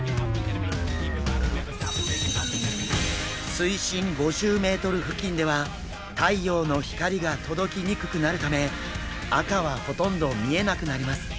水深５０ｍ付近では太陽の光が届きにくくなるため赤はほとんど見えなくなります。